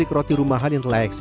ini sudah ada di lokasi